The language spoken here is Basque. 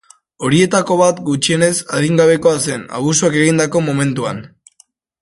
Horietako bat gutxienez adingabekoa zen abusuak egindako momentuan.